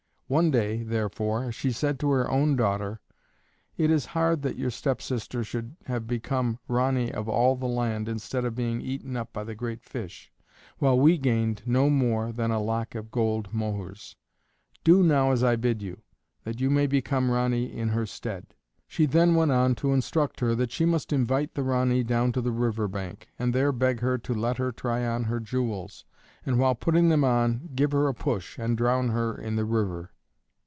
One day, therefore, she said to her own daughter, "It is hard that your stepsister should have become Ranee of all the land instead of being eaten up by the great fish, while we gained no more than a lac of gold mohurs. Do now as I bid you, that you may become Ranee in her stead." She then went on to instruct her that she must invite the Ranee down to the river bank, and there beg her to let her try on her jewels, and while putting them on give her a push and drown her in the river.